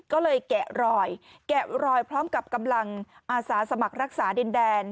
ก็เลยแกะรอยแกะรอยพร้อมกับกำลังอาสาสมัครรักษาดินแดน